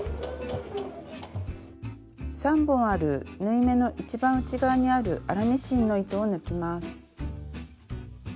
３本ある縫い目の一番内側にある粗ミシンの糸を抜きます。